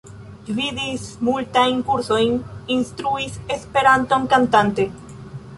Gvidis multajn kursojn; instruis Esperanton kantante.